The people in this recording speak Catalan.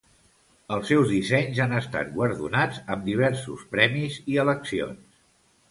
Els seus dissenys han estat guardonats amb diversos premis i eleccions.